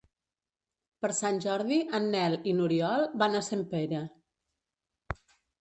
Per Sant Jordi en Nel i n'Oriol van a Sempere.